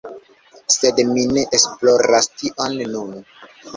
Sed mi ne esploras tion nun